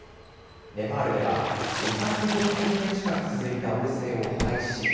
ネパールでは２４０年近く続いた王制を廃止。